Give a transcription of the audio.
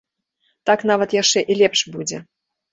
Так нават яшчэ і лепш будзе.